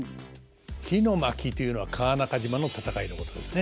「火の巻」というのは川中島の戦いのことですね。